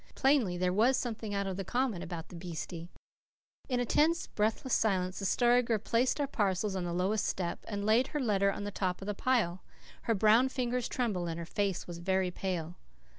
Plainly, there was something out of the common about the beastie! In a tense, breathless silence the Story Girl placed our parcels on the lowest step, and laid her letter on the top of the pile. Her brown fingers trembled and her face was very pale.